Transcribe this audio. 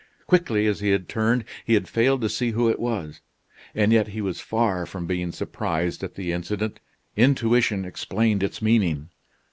Quickly as he had turned, he had failed to see who it was: and yet he was far from being surprised at the incident. Intuition explained its meaning.